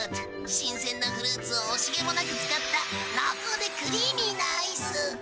新鮮なフルーツを惜しげもなく使った濃厚でクリーミーなアイス。